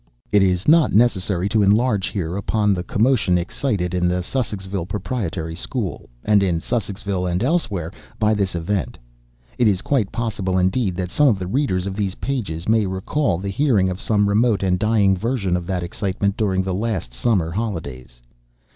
It is not necessary to enlarge here upon the commotion excited in the Sussexville Proprietary School, and in Sussexville and elsewhere, by this event. It is quite possible, indeed, that some of the readers of these pages may recall the hearing of some remote and dying version of that excitement during the last summer holidays.